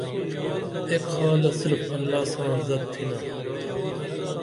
ایک خالہ صرف اللہ ساں زات تھنیا